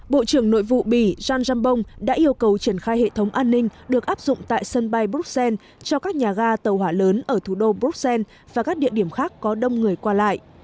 bộ trưởng nội vụ bỉ john zembong đã yêu cầu triển khai hệ thống an ninh được áp dụng tại sân bay bruxelles cho các nhà ga tàu hỏa lớn ở thủ đô bruxelles và các địa điểm khác có đông người qua lại